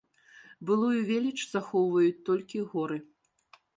Былую веліч захоўваюць толькі горы.